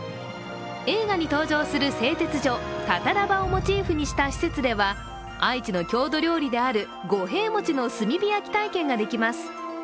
映画に登場する製鉄所、タタラ場をモチーフにした施設では愛知の郷土料理である五平餅の炭火焼き体験ができます。